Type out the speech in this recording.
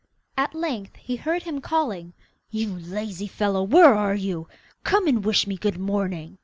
At length he heard him calling, 'You lazy fellow, where are you? Come and wish me good morning.